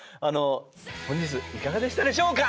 本日いかがでしたでしょうか？